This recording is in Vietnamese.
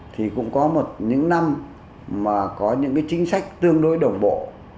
thì cũng có một những năm mà có những chính sách tương đối đồng bộ